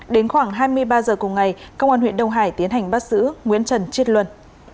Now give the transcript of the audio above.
đến khoảng hai mươi ba h cùng ngày công an huyện đông hải tiến hành bắt giữ nguyễn trần chiết luân